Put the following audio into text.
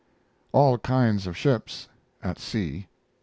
ALL KINDS OF SHIPS (at sea).